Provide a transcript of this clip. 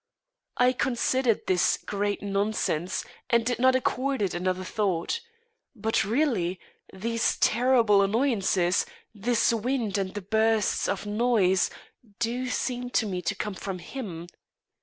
I considered this great nonsense, and did not accord it another thought. But, really, these terrible annoyances, this wind and the bursts of noise, do seem to me to come from him.